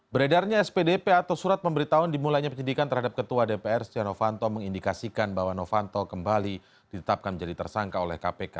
beredarnya spdp atau surat pemberitahuan dimulainya penyidikan terhadap ketua dpr setia novanto mengindikasikan bahwa novanto kembali ditetapkan menjadi tersangka oleh kpk